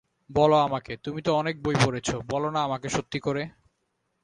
বলো আমাকে, তুমি তো অনেক বই পড়েছ, বলো-না আমাকে সত্যি করে।